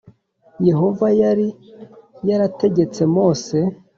Yehova yari yarategetse Mose